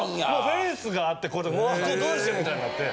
フェンスがあってどうしようみたいになって。